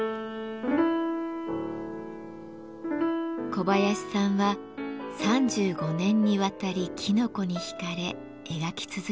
小林さんは３５年にわたりきのこに惹かれ描き続けてきました。